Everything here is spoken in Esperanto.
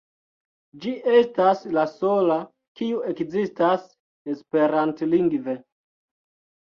Ĝi estas la sola kiu ekzistas esperantlingve.